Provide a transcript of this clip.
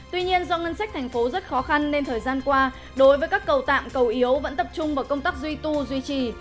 tuy nhiên do ngân sách thành phố rất khó khăn nên thời gian qua đối với các cầu tạm cầu yếu vẫn tập trung vào công tác duy tu duy trì